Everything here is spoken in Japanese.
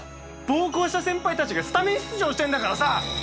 暴行した先輩たちがスタメン出場してんだからさ！